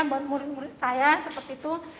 buat murid murid saya seperti itu